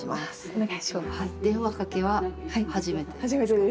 お願いします。